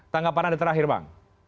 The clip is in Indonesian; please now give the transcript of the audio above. tanggapan anda terakhir bang